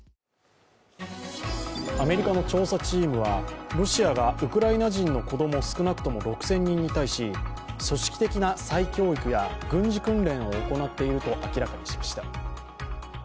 アメリカの調査チームはロシアがウクライナ人の子供少なくとも６０００人に対し組織的な再教育や軍事訓練を行っていると明らかにしました。